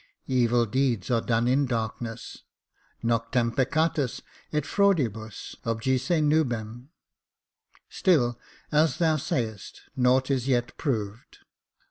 Evil deeds are done in darkness. Noctem peccatis et fraudihus ohjice nuhem. Still, as thou sayest, nought is yet proved.